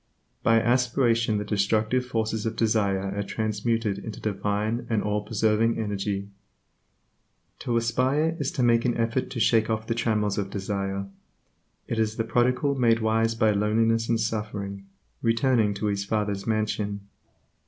By aspiration the destructive forces of desire are transmuted into divine and all preserving energy. To aspire is to make an effort to shake off the trammels of desire; it is the prodigal made wise by loneliness and suffering, returning to his Father's Mansion.